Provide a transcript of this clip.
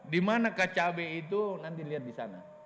dimanakah cabai itu nanti lihat di sana